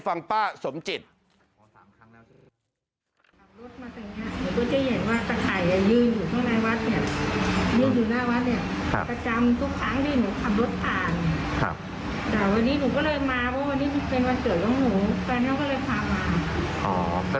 ฟังป้าสมจิต